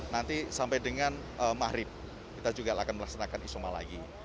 nanti sampai dengan mahrib kita juga akan melaksanakan isoma lagi